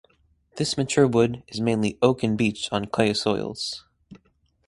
This mature wood is mainly oak and beech on clay soils.